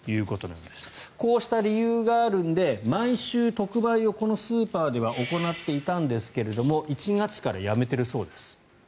こうした理由があるので毎週、特売をこのスーパーでは行っていたんですが１月からやめているそうです。